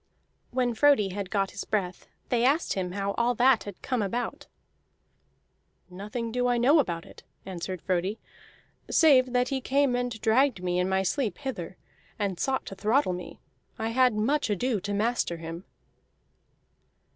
When Frodi had got his breath, they asked him how all that had come about. "Nothing do I know about it," answered Frodi, "save that he came and dragged me in my sleep hither, and sought to throttle me. I had much ado to master him."